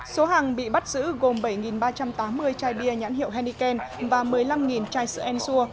số hàng bị bắt giữ gồm bảy ba trăm tám mươi chai bia nhãn hiệu henneken và một mươi năm chai sữa ensur